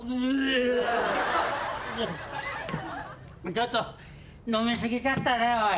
ちょっと飲み過ぎちゃったなおい。